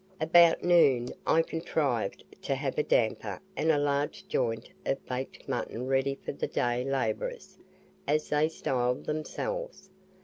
About noon I contrived to have a damper and a large joint of baked mutton ready for the "day labourers," as they styled themselves.